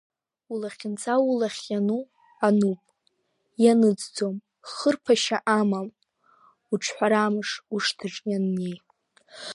Улахьынҵа улахь иану, ануп, ианыҵӡом, хырԥашьа амам уҿҳәарамыш уашҭаҿ ианнеи.